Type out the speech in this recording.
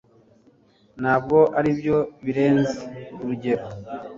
Ntabwo aribyo birenze urugero,